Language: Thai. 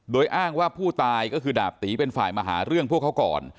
โดยอ้างว่าผู้ตายก็คือดาบตีเป็นฝ่ายมาหาเรื่องพวกเขาก่อน